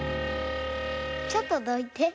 ちょっとどいてどいて。